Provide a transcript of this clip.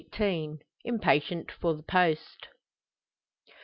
IMPATIENT FOR THE POST.